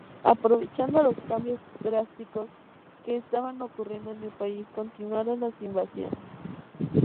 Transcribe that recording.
Aprovechando los cambios drásticos que estaban ocurriendo en el país, continuaron las invasiones.